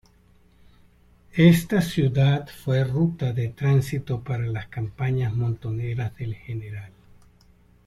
Esta ciudad fue ruta de tránsito para las campañas montoneras del Gral.